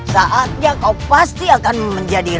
saatnya kau pasti akan menjadi